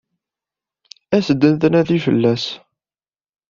As-d ad d-nnadi fell-as.